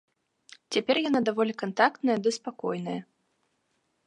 Цяпер яна даволі кантактная ды спакойная.